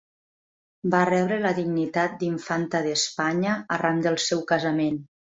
Va rebre la dignitat d'infanta d'Espanya arran del seu casament.